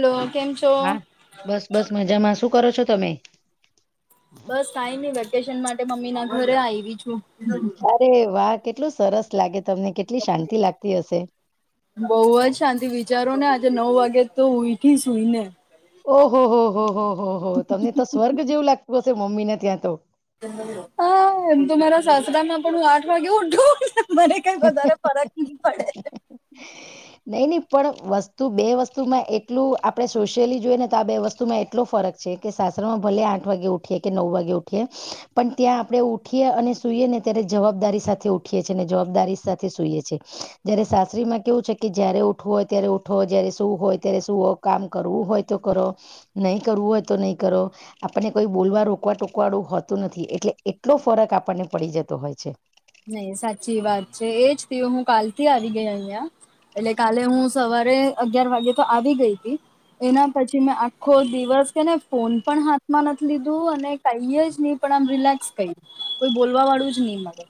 Hello કેમ છો? હા બસ બસ મજામાં. શું કરો છો તમે? બસ કાંઈ નહિ વેકેશન માટે મમ્મીના ઘરે આયવી છું. અરે વાહ! કેટલું સરસ લાગે તમને કેટલી શાંતિ લાગતી હશે? બાઉવાજ શાંતિ વિચારો ને આજે નવ વાગે તો ઉઈઠી સુઈને. ઓહો હો હો હો હો હો હો તમને તો સ્વર્ગ જેવું લાગતું હશે મમ્મી ને ત્યાં તો. હા એમ તો મારા સાસરા માં પણ હું આઠ વાગે ઉઠું [unintelligible] મને કઈ વધારે ફરક ની પડે. [inaudible] નહી નહી પણ વસ્તુ બે વસ્તુમાં એટલું આપડે સોશિયલી જોઈએ ને તો આ બે વસ્તુમાં એટલો ફરક છે કે સાસરામાં ભલે આઠ વાગે ઉઠે કે નવ વાગે ઉઠે પણ ત્યાં આપણે ઉ ઉઠીએ અને સુઈએ ને ત્યારે જવાબદારી સાથે ઉઠીએ છે ને જવાબ દારી સાથે સુઈએ છે જય્યારે સાસરી માં કેવું છે કે જયારે ઉઠવું હોય ત્યારે ઉઠો જ્યારે સૂવું હોય ત્યારે સુવો કામ કરવું હોય તો કરો નહી કરવું હોય તો નહીં કરો. આપણને કોઈ બોલવા રોકવા ટોકવા વાળું હોતું નથી એટલે એટલો ફરક આપણને પડી જતો હોય છે. નહી સાચી વાત છે એજ થી હું કાલ થી આવી ગઈ અહીંયા. એટલે કાલે હું સવારે અગયાર વાગે તો આવી ગઈ તી. એના પછી મેં આખો દિવસ કેને ફોન પણ હાથમાં નથી લીધું અને કૈયાજ ની પણ આમ રિલેક્સ કઈ કોઈ બોલવા વાળું જ ની મળે.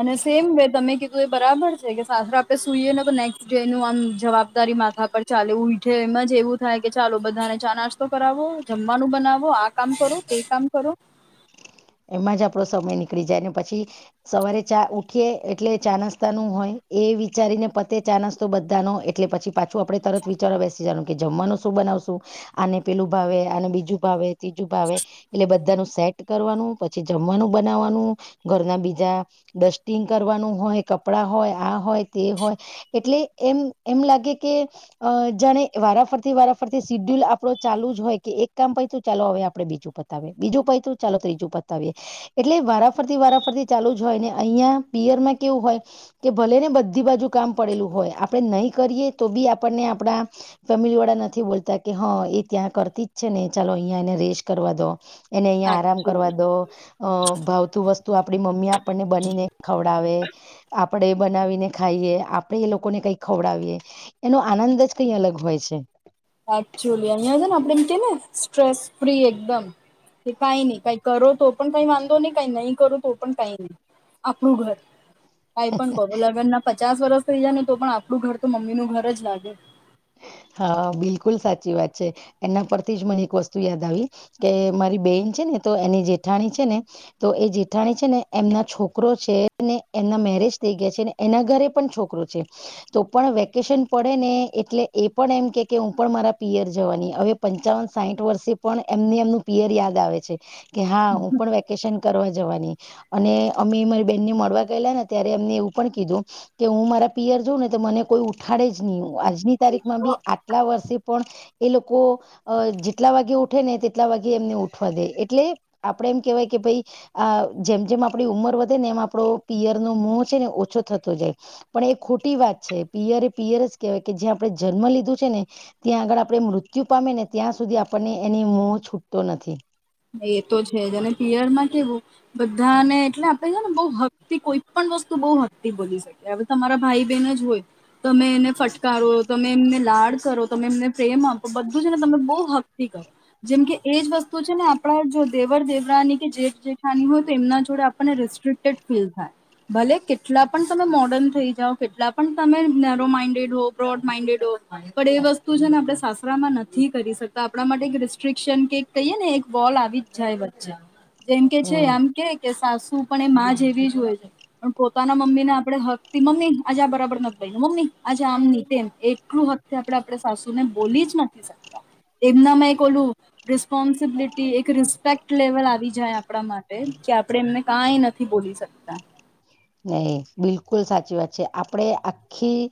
અને સેમ વે તમે કીધું એ બરાબર છે કે [unintelligible] આપણે સુઈએ ને તો નેક્સ્ટ ડે નું આમ જવાબદારી માથા પર ચાલે ઉઠે એમાં જ એવું થાય કે ચાલો બધાને ચા નાસ્તો કરાવો જમવાનું બનાવો આ કામ કરો તે કામ કરો એમાં જ આપડો સમય નીકળી જાય ને પછી સવારે ચા ઉઠીએ એટલે ચા નાસ્તા નું હોય એ વિચારીને પતે ચા નાસ્તો બધા નો એટલે પછી પાછું આપણે તરત વિચારવા બેસી જવાનું કે જમવાનું શું બનાવશું અને પેલું ભાવે અને બીજું ભાવે ત્રીજું ભાવે એટલે બધા નું સેટ કરવાનું પછી જમવાનું બનાવવાનું ઘરના બીજા ડસ્ટિંગ કરવાનું હોય કપડાં હોય આ હોય તે હોય એટલે એમ એમ લાગે કે અ જાણે વારાફરતી વારાફરતી સીડ્યુલ આપડો ચાલુ જ હોય કે એક કામ પાયતું તો ચાલો હવે આપડે બીજું પા પતાવીએ બીજું પાયતુ ચાલો ત્રીજું પા પતાવીએ એટલે વારાફરતી વારાફરતી ચાલુ જ હોય ને અહિયાં પિયરમાં કેવું હોય કે ભલે ને બધી બાજુ કામ પડેલું હોય આપણે નહીં કરીએ તો બી આપણને આપડા ફેમિલી વાળા નથી બોલતા કે હા એ ત્યાં કરતી જ છે ને ચાલો અહિયાં એને [unintelligible] કરવા દો. એને અહીંયા આરામ કરવા દો. અ ભાવતું વસ્તુ આપણી મમ્મી આપણને બનીને ખવડાવે આપડે બનાવીને ખાઈએ આપણેે એ લોકોને કઈ ખવડાવીએ એનો આનંદ જ કઈ અલગ હોય છે. સાચું અહીંયા ને આપડે એમ કહીએ ને સ્ટ્રેસ ફ્રી એકદમ. કઈ નહી કઈ કરો તો પણ કઈ વાંધો નહી કઈ નહી કરો તો પણ કઈ ન આપણું ઘર કઈ પણ કરો લગ્ન ના પચાસ વર્ષ થઈ જાય ને તો પણ આપડું ઘર તો મમ્મી નું ઘર જ લાગે. હા બિલકુલ સાચી વાત છે એના પરથી જ મને એક વસ્તુ યાદ આવી. કે મારી બેન છે ને તો એની જેઠાણી છે ને તો એ જેઠાણી છે ને એમના છોકરો છે ને એમના મેરેજ થઈ ગયા છે ને એના ઘરે પણ છોકરો છે તો પણ વેકેશન પડે ને એટલે એ પણ એમ કે કે હું પણ મારા પિયર જવાની હવે પંચાવન સાહીઠ વર્ષે પણ એમને એમનું પિયર યાદ આવે છે કે હા હું પણ વેકેશન કરવા જવાની. અને અમે મારી બેન ને મળવા ગયેલા ને ત્યારે એમને એવું પણ કીધું કે હું મારા પિયર જાઉં ને તો મને કોઈ ઉઠાડે જ નહી આજ તારીખ માં બી આટલા વર્ષે પણ એ લોકો આ જેટલા વાગે ઉઠે ને તેટલા વાગે એમને ઉઠવા દે એટલે આપડે એમ કેહેવાય કે ભાઈ આ જેમ જેમ આપણી ઉંમર વધે ને એમ આપણો પિયર નો મો છે ને ઓછો થતો જાય. પણ એ ખોટી વાત છે પિયરે એ પિયર જ કેહેવાય કે જ્યાં આપણે જન્મ લીધું છે ને ત્યાં આગળ આપણે મૃત્યુ પામે ને ત્યાં સુધી આપણને એની મો છૂટતો નથી. એ તો છે જને પીયર માં કેવું. બધા ને એટલે આપે છે ને બહુ હક થી કોઈ પણ વસ્તુ બહુ હક થી બોલી શકે. કે આ બધા મારા ભાઈ બહેન જ હોય. તમે એને ફટકારો તમે એમને લાડ કરો તમે એમને પ્રેમ આપો બધું છે ને તમે બહુ હકતિ કરો. જેમ કે એજ વસ્તુ છે આપ. આપણા જો દેવર દેવરાની કે જેઠ જેઠાની હોય તો એમના જોડે આપણને રેસ્ટ્રક્ટેડ ફીલ થાય. ભલે કેટલા પણ તમે મોર્ડર્ન થઇ જાઓ કેટલા પણ તમે નેરો માઇન્ડેડ હો બ્રોડ માઇન્ડેડ હો. પણ એ વસ્તુ છે ને આપડણે સાસરા માં નથી કરી શકતા આપણા માટે એક રેસ્ટ્રિકશન કે કહીએ ને એક બોલ આવી જ જાય વચ્ચે જેમ કે છે હમ આમ કે કે સાસુ પણ એ માં જેવી જ હોય. પણ પોતાના મમ્મી ને આપણેે હક મમ્મી આજે આ બરાબર નથી મમ્મી આજે આમ નહ તેમ એટલું હત તે આપણે આપણે સાસુને બોલી જ નથી શકતા એમના મેં ઓલું રિસ્પોન્સિબિલટી. એક રિસ્પેક્ટ લેવલ આવી જાય આપણા માટે કે આપડે એમને કંઈ નથી બોલી શકતા. નહી બિલકુલ સાચી વાત છે આપડે આખી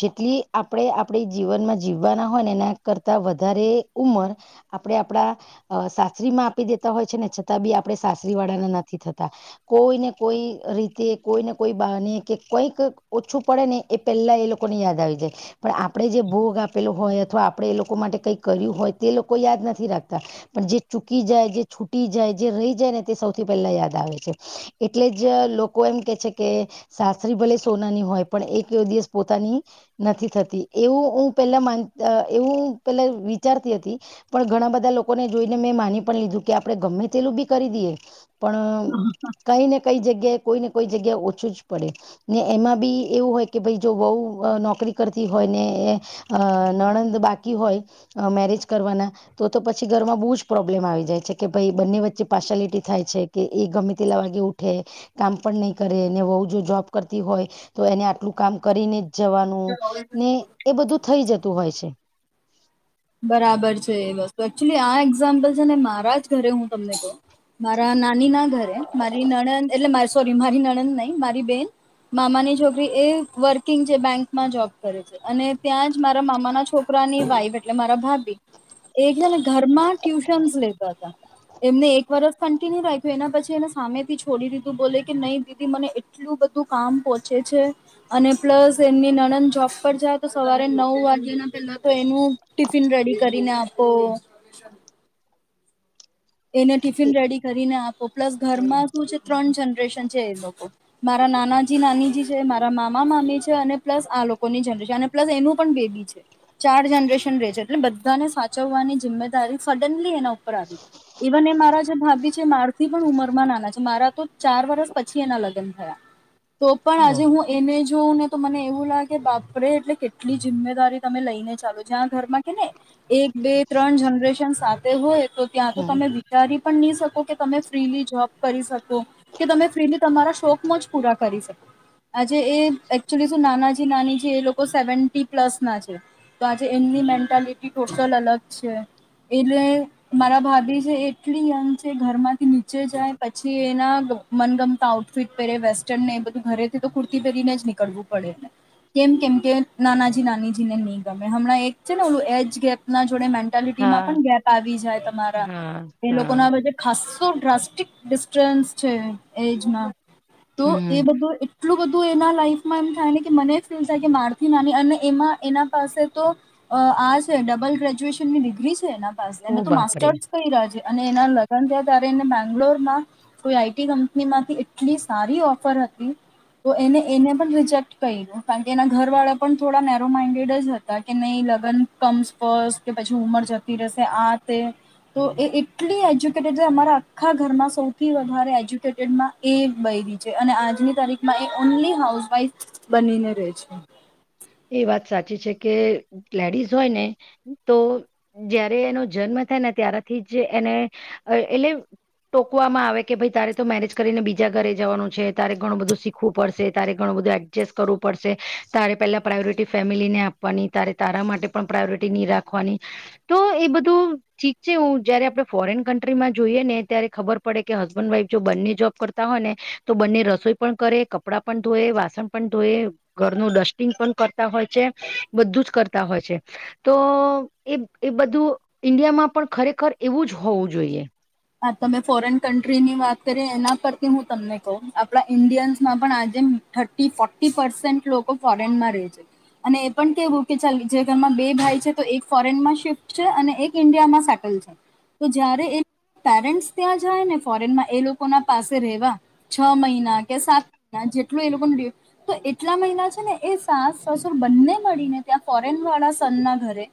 જેટલી આપણે આપણી જીવનમાં જીવવાના હોય ને એના કરતાં વધારે ઉંમર આપણેે આપણા અ સાસરીમાં આપી દેતા હોય છે ને છતાં બી આપે સાસરી વાળાના નથી થતા. કોઈ ને કોઈ રી કે કોઈને કોઈ બાને કે કઈક ઓછું પડે ને એ પહેલા એ લોકોને યાદ આવી જાય. પણ આપણે જે ભોગ આપેલો હોય અથવા આપણે એ લોકો માટે કઈ કર્યું હોય તે લોકો યાદ નથી રાખતા. પણ જે ચૂકી જાય જે છૂટી જાય જે રહી જાય ને તે સૌથી પહેલા યાદ આવે છે એટલે જ લો કો એમ કે છે કે સાસરી ભલે સોનાની હોય પણ એક એવ દિવસ પોતાની નથી થતી એવું હું પેલા માન અ એવું પેલા વિચારતી હતી. પણ ઘણા બધા લોકોને જોઈને મેં માની પણ લીધું કે આપણેે ગમે તેલું બી કરી દઈએ પણ કઈ ને કઈ જગ્યાએ કોઈ ને કોઈ જગ્યા ઓછું જ પડે. ની એમાં બી એવું હોય કે ભાઈ જો બહુ નોકરી કરતી હોય ને એ અ નણંદ બાકી હોય‌ અ મેરેજ કરવાના તો તો પછી ઘરમાં બહુ જ પ્રોબ્લેમ આવી જાય છે કે ભાઈ બંને વચ્ચે પાર્શલિટી થાય છે. કે એ ગમી તેલા વાગે ઉઠે. કામ પણ નહીં કરે ને વહુ જો જોબ કરતી હોય તો એને આટલું કામ કરીને જ. જવાનું ને એ બધું થઇ જતું હોય છે. બરાબર છે એ વસ્તુ એકચુલી આ એક્ઝામ્પલ છે ને મારા જ ઘરે હું તમને કહું. મારા નાની ના ઘરે મારી નણંદ એટલે સોરી મારી નણંદ નઈ મારી બેન મામાની છોકરી એ વર્કિંગ જે બેંકમાં જોબ કરે છે. અને ત્યાં જ મારા મામા ના છોકરાની વાઈફ એટલે મારા ભાભી એક જને ઘરમાં ટ્યુશનસ લેતા હતા એમને એક વર્ષ જ કન્ટિન્યુ રાખ્યું એના પછી એને સામેથી છોડી દીધું બોલે કે નહી દીદી મને એટલું બધું કામ પોહોંચે છે. અને પ્લસ એમની નણંદ જોબ પર જાય તો સવારે નવ વાગ્યા ના પેલા તો એનું ટિફિન રેડી કરીને આપો. એને ટિફિન એ રેડી કરીને આપો પ્લસ ઘરમાં શું છે ત્રણ જનરેશન છે એ લોકો. મારા નાનાજી નાનીજી છે મારા મામા મામી છે અને પ્લસ આ લોકોની જનરેશન અને પ્લસ એનું પણ બેબી છે. ચાર જનરેશન રહે છે એટલે બધાને સાચવવાની જિમ્મેદારી સડનલી એના ઉપર આવી ગઈ. ઇવન એ મારા જે ભાભી છે મારથી પણ ઉંમર માં નાના છે મારા તો ચાર વર્ષ પછી એના લગ્ન થયા. [inaudible] તો પણ આજે ઓહ હું. એને જોવું ને તો મને એવું લાગે બાપરે એટલે કેટલી જિમ્મેદારી તમે લઈ ને ચાલો જ્યાં ઘરમાં કે ને એક બે ત્રણ જનરેશન સાથે હોય તો ત્યાં તો હમ. તમે તારી પણ નહી શકો કે તમે ફ્રીલી જોબ કરી શકો. કે તમે ફ્રીલી તમારા શોક- મોજ પૂરા કરી શકો. આજે એ એકચુલી શું નાના જી નાની જી એ લોકો સેવનટિ પ્લસ ના છે. તો આજે એમની મેન્ટાલિટી ટોટલ અલગ છે. એટલે મારા ભાભી જે એટલી યંગ છે. ઘર માંથી નીચે જાય પછી એના મનગમતા ફિટ પહેરે વેસ્ટર્ન ને એ બધું ઘરેથી તો કુર્તી પહેરીને નીકળવું પડે એને. કેમ કેમ કે નાનાજી નાનીજી ને નહીં ગમે હમણાં એક છે ને ઓલું એજ ગેપ ના જોડે મેન. ખરીદી માં હા પણ ગેપ આવી જાય તમારા. હા એ લોકો હા ના વચ્ચે ખાસ્સું ડ્રાફ્ટિક ડિસ્ટન્સ છે એજમાં. તો એ હમ બધું. એટલું બધું એના લાઈફમાં એમ થાયને કે મને ફીલ થાય કે મારથી નાની અને એમાં એના પાસે તો. અ આ છે ડબલ ગ્રેજ્યુએશન ની ડિગ્રી છે એના પાસે એને ઓ તો બાપરે માસ્ટર્સ થઈ રહ્યા છે. અને એના લગ્ન થયા ત્યારે એને બેંગ્લોર માં. તો ઈ આઈટી કંપની માંથી એટલી સારી ઓફર હતી. તો એને એને પણ રિજેક્ટ કયરો કારણ કે એના ઘર વાળા પણ થોડા નેરો માઇન્ડેડ જ હતા. કે નહી લગ્ન કમસ ફસ્ટ કે પછી ઉમર જતી રહેશે આ તે તો એ એક. કેટલી એજ્યુકેટેડ છે અમારા આખા ઘરમાં સૌથી વધારે એજ્યુકેટેડમાં એ એક બયરી છે અને આજની તારીખ. મા એ ઓનલી હાઉસવાઈફ બનીને રહે છે. એ વાત સાચી છે કે લેડીઝ હોય ને તો. જયારે એનો જન્મ થાય ને ત્યારથી જ એને એટલે. ટોકવામાં આવે કે ભાઈ તારે તો મેરેજ કરીને બીજા ઘરે જવાનું છે તારે ઘણું બધું શીખવું પડશે તારે ઘણું બધું. એડજસ્ટ કરવું પડશે તારે પહેલાં. પ્રાયોરિટી ફેમિલીને આપવાની તારે તારા માટે પણ પ્રાયોરિટી નહીં રાખવાની. તો એ બધું. ઠીક છે હું જયારે આપડે ફોરેન કન્ટ્રીમાં જોઈએ ને ત્યારે ખબર પડે કે હસબન્ડ વાઈફ જો બંને જોબ કર. હોય ને તો બંને રસોઈ પણ કરે કપડાં પણ ધોએ વાસણ પણ ધોએ. ઘરનું ડસ્ટિંગ પણ કરતા હોય છે બધું જ કરતા હોય છે. તો એ એ બધું ઈન્ડિયામાં પણ ખરેખર એવું જ હોવું જોઈએ. આ તમે ફોરેન કન્ટ્રીની વાત કરી એના પરથી હું તમને કઉ આપણા ઈન્ડિયન્સમાં પણ આજે. થર્ટી ફોર્ટી પસેન્ટ લોકો ફોરેનમાં રહે છે. અને એ પણ કેવું કે ચાલ જે ઘરમાં બે ભાઈ છે તો એક ફોરેનમાં શિફ્ટ છે અને એક. ઇન્ડિયામાં સેટલ છે તો જયારે એ. પેરેન્ટ ત્યાં જાય ને ફોરેનમાં એ લોકો ના પાસે રહેેવા. છ મહિના કે સાત મહિના જેટલું એ લોકોનું રેવું તો એટલા મહિના છે ને એ સાસ. સસુર બન્ને મળીને ત્યા ફોરેન વાળા. ઘરે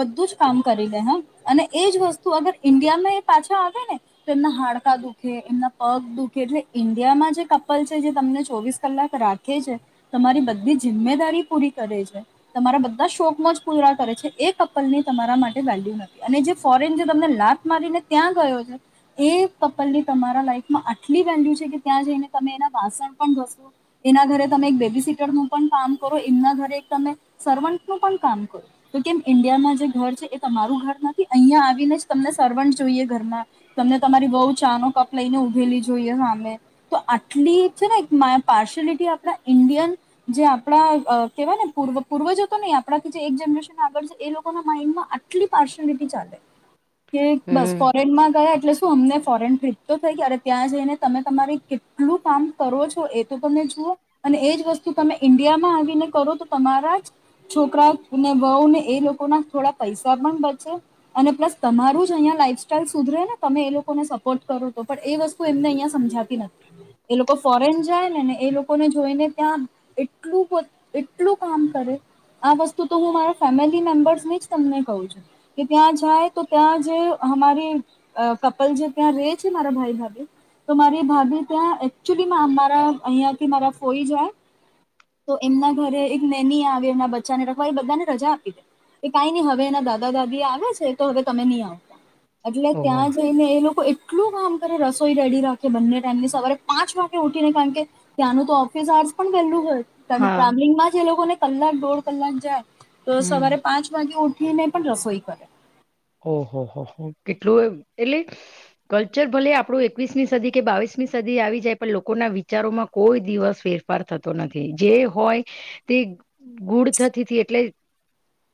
બધું જ કામ કરી લે હ અને એજ વસ્તુ અગર ઇન્ડિયામાં. પાછા આવે ને. એમના હાડકા દુખે એમના પગ દુખે એટલે ઈન્ડિયામાં જે કપલ છે જે તમને ચોવીસ કલાક રાખ. ખે છે તમારી બધી જિમ્મેદારી પૂરી કરે છે. તમારા બધા શોખ માં જ પૂરા કરે છે એ કપલની તમારા માટે વેલ્યુ નથી અને જે. ફોરેન જે તમને લાત મારીને ત્યાં ગયો છે. એ કપલ ની તમારા લાઈફમાં આટલી વેલ્યુ છે કે ત્યાં જઈને તમે એના વાસણ પણ ઘસો. એના ઘરે તમે એક બેબી સીટરનું પણ કામ કરો એમના ઘરે તમે સર્વન્ટનું પણ કામ કરો. તો કેમ ઈન્ડિયામાં જે ઘર છે એ તમારું ઘર નથી અહિયા આવીને જ તમને સર્વન્ટ. જોઈએ ઘરમાં તમને તમારી વહુ ચાનો કપ લઈને ઉભેલી જોઈએ સામે. તો આટલી છે ને પાર્શિયાલિટી આપણા ઇન્ડિયન. જે આપણા કેહેવાય ને પૂ પૂર્વજ તો નહી આપણાથી જે એક જનરેશન આગળ છે એ લોકો ના માઈન્ડમાં. એ પાર્શલિટી ચાલે કે બસ હમ ફોરેનમાં ગયા એટલે. અમને ફોરેન ટ્રીપ તો થઈ ગઈ અરે ત્યાં જઈને તમે તમારી કેટલું કામ કરો છો એ તો તમે જુઓ. અને એજ વસ્તુ તમે ઈન્ડિયામાં આવીને કરો તો તમારા જ. છોકરા ને બહુ ને એ લોકો ના થોડા પૈસા પણ બચે અને પ્લસ તમારું જો અહીંયા લાઈફ સસ્ટાઈલ સુધરે ને તમે એ લોકોને સપોર્ટ કરો તો પણ એ વસ્તુ એમને અહીંયા સમજા તી નથી એ લોકો ફોરેન જાય ને ને એ લોકોને જોઈને ત્યાં એટલું એટલું કામ કરે આ વસ્તુ તો હું મારા ફેમિલી મેમ્બર્સની જ તમને કહું છું કે ત્યાં જાય તો ત્યાં જે અમારી કપલ જે ત્યાં રેય છે મારા ભાઈ ભાભી તો મારી ભાભી ત્યાં એકચુલી મારા અહિયાંથી મારા ફોઈ જાય તો એમના ઘરે એક નેની આવી એમના બચ્ચાને [unintelligible] એ બચ્ચાને રજા આપી એ કાઈ નઈ હવે એના દાદા દાદી આવે છે તો હવે તમે ની આવો એટલે ઓહ ત્યાં જઈને એ લોકો એ ટલું કામ કરે રસોઈ રેડી રાખે બંને ટાઈમની સવારે પાંચ વાગે ઉઠીને કારણ કે ત્યાંનું તો ઓફિસ આર્જ પણ વેલું હોય તમે હા ટ્રાવેલિંગમાં જે લોકોને કલાક દોઢ કલાક જાય તો હમ સવારે પાંચ વાગે ઉ ઠી ને પણ રસોઈ કરે ઓહો હો હો કેટલું એટલે કલ્ચર ભલે આપડુ એકવીસમી સદી કે બાવીસમી સદી આવી જાય પણ લોકોના વિચારોમાં કોઈ દિવસ ફેર પર થતો નથી જે હોય તે ગુડ થતી એટલે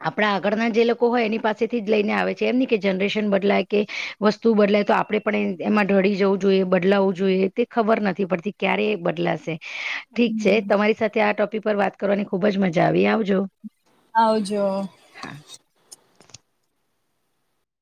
આપડા આગળના જે લોકો હોય એની પાસેથી જ જઈને આવે જેમ ની કે જનરેશન બદલાય કે વસ્તુ બદલાય તો આપડે પણ એમાં ઢળી જવું જોઈએ બદલાવવું જોઈએ તી ખબર નથી પડતી ક્યારે બદલાશે ઠીક છે તમારી સાથે આ ટોપિક પર વાત કરવાની ખુબ જ મજા આવી આવજો આવજો હા